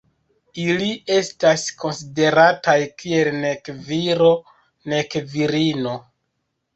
Ili estas konsiderataj kiel nek viro nek virino.